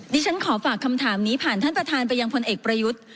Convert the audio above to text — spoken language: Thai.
ฉันขอฝากคำถามนี้ผ่านท่านประธานไปยังพลเอกประยุทธ์